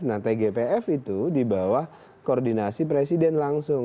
nah tgpf itu di bawah koordinasi presiden langsung